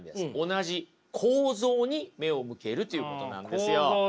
同じ構造に目を向けるということなんですよ。